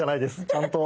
ちゃんと。